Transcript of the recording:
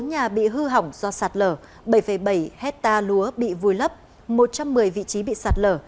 tỉnh hà giang bị hư hỏng do sạt lở bảy bảy hecta lúa bị vùi lấp một trăm một mươi vị trí bị sạt lở